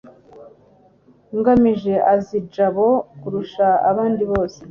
ngamije azi jabo kurusha abandi bose